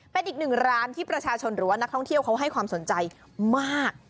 เป็นอีกหนึ่งร้านที่ประชาชนหรือว่านักท่องเที่ยวเขาให้ความสนใจมาก